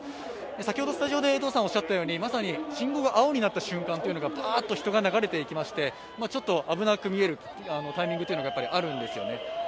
先ほどスタジオで江藤さんおっしゃったように信号が青になった瞬間にパッと人が流れていきましてちょっと危なく見えるタイミングというのがあるんですよね。